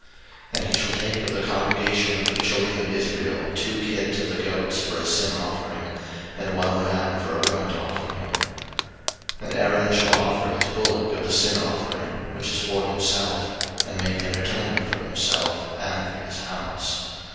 03:016:005 And he shall take of the congregation of the children of Israel two kids of the goats for a sin offering, and one ram for a burnt offering. 03:016:006 And Aaron shall offer his bullock of the sin offering, which is for himself, and make an atonement for himself, and for his house.